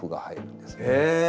へえ！